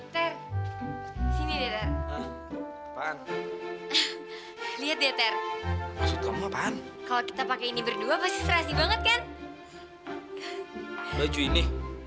ter ter lihat ya ter ter kalau kita pakai ini berdua pasti serasi banget kan baju ini